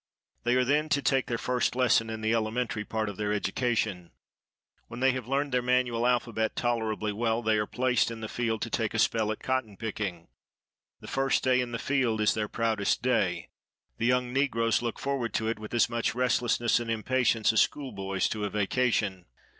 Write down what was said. They are then to take their first lesson in the elementary part of their education. When they have learned their manual alphabet tolerably well, they are placed in the field to take a spell at cotton picking. The first day in the field is their proudest day. The young negroes look forward to it with as much restlessness and impatience as school boys to a vacation.